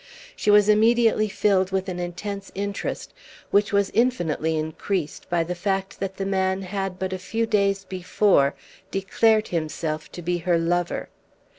She was immediately filled with an intense interest which was infinitely increased by the fact that the man had but a few days before declared himself to be her lover.